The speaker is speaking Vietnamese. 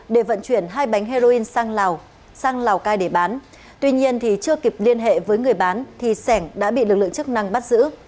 để vận chuyển hai bánh heroin sang lào cai để bán tuy nhiên chưa kịp liên hệ với người bán sẻng đã bị lực lượng chức năng bắt giữ